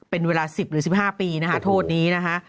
เป็นเวลา๑๐หรือ๑๕ปีนะคะโทษนี้นะคะ